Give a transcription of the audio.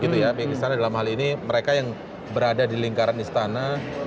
pihak istana dalam hal ini mereka yang berada di lingkaran istana